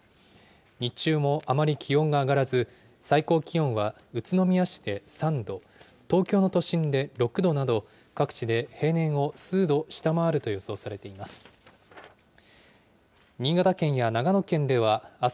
日中もあまり気温が上がらず、最高気温は宇都宮市で３度、東京の都心で６度など、各地で平年を数度下回ると予想されています。